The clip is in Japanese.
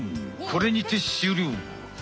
これにて終了！